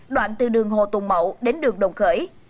đoạn từ đường hồ tùng mậu đến đường đồng khởi